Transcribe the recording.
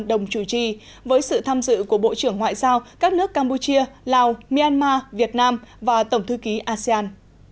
đồng chủ trì với sự tham dự của bộ trưởng ngoại giao các nước campuchia lào myanmar việt nam và tổng thư ký asean